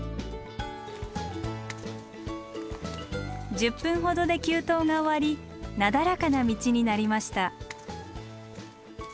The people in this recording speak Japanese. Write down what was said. １０分ほどで急登が終わりなだらかな道になりました。